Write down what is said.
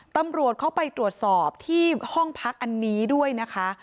ตำรวจเข้าไปตรวจสอบที่ห้องพักอันนี้ด้วยนะคะ